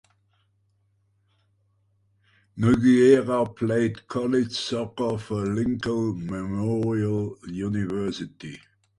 Nogueira played college soccer for Lincoln Memorial University.